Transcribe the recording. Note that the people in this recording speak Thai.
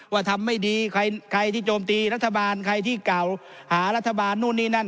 ทำไม่ดีใครที่โจมตีรัฐบาลใครที่กล่าวหารัฐบาลนู่นนี่นั่น